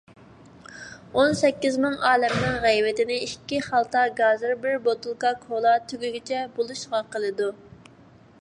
ئون سەككىز مىڭ ئالەمنىڭ غەيۋىتىنى ئىككى خالتا گازىر، بىر بوتۇلكا كولا تۈگىگىچە بولىشىغا قىلىدۇ.